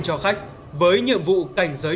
cho khách với nhiệm vụ cảnh giới